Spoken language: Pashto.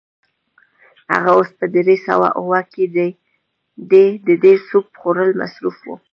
هغه اوس په درې سوه اووه کې دی، دی په سوپ خوړلو مصروف و.